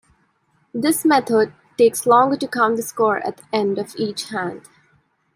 This method takes longer to count the score at the end of each hand.